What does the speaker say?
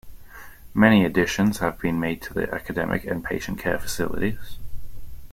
Many additions have been made to the academic and patient-care facilities.